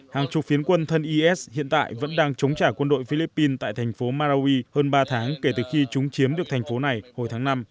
hàng chục phiến quân thân is hiện tại vẫn đang chống trả quân đội philippines tại thành phố marawi hơn ba tháng kể từ khi chúng chiếm được thành phố này hồi tháng năm